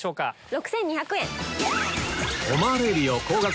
６２００円。